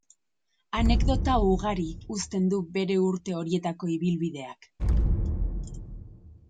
Anekdota ugari uzten du bere urte horietako ibilbideak.